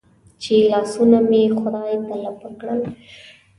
چې لاسونه مې خدای ته لپه کړل.